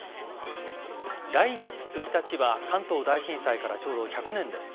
来月１日は、関東大震災からちょうど１００年です。